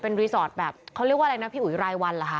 รีสอร์ทแบบเขาเรียกว่าอะไรนะพี่อุ๋ยรายวันเหรอคะ